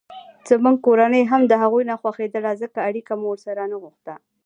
زموږ کورنۍ هم دهغو نه خوښېدله ځکه اړیکه مو ورسره نه غوښته.